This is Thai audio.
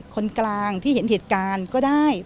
คนกลางที่เห็นเหตุการณ์ก็ได้